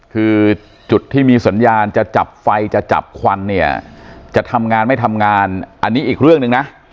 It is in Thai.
คือจุดที่มีสัญญาณจะจับไฟจะจับควันเนี่ยจะทำงานไม่ทำงานอันนี้อีกเรื่องหนึ่งนะ